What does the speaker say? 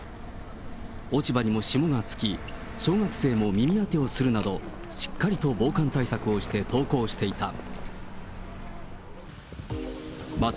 落ち葉にも霜がつき、小学生も耳当てをするなど、しっかりと防寒対策をして登校していた。